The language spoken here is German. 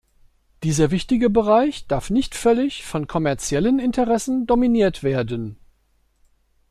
Dieser wichtige Bereich darf nicht völlig von kommerziellen Interessen dominiert werden.